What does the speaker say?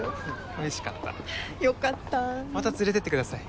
おいしかったよかったまた連れてってください